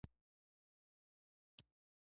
هغه جسمونه چې الکترون اخلي منفي چارجیږي.